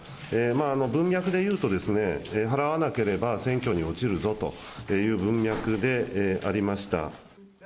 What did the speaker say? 文脈でいうと、払わなければ選挙に落ちるぞという文脈でありました。